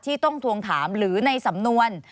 ที่ต้องทวงถามหรือในสำนวน